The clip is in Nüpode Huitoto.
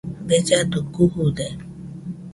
Bellado kurude